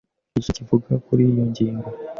igice kivuga kuri iyo ngingo